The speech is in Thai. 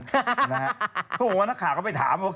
เพราะผมว่านักข่าก็ไปถามว่า